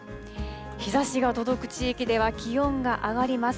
日ざしが届く地域では、気温が上がります。